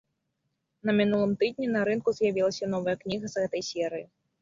На мінулым тыдні на рынку з'явілася новая кніга з гэтай серыі.